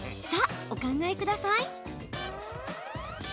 さあ、お考えください。